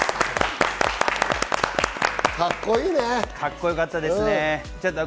カッコよかったですね。